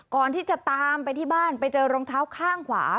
ก่อนที่จะตามไปที่บ้านไปเจอรองเท้าข้างขวา